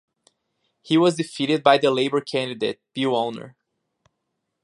He was defeated by the Labour candidate Bill Olner.